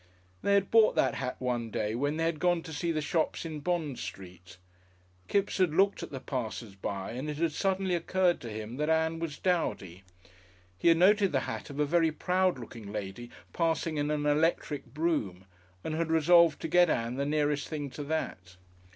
They had bought that hat one day when they had gone to see the shops in Bond street. Kipps had looked at the passers by and it had suddenly occurred to him that Ann was dowdy. He had noted the hat of a very proud looking lady passing in an electric brougham and had resolved to get Ann the nearest thing to that.